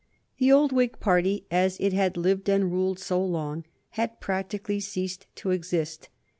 The old Whig party, as it had lived and ruled so long, had practically ceased to exist.